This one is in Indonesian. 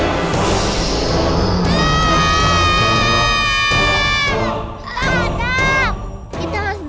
aku mau lihat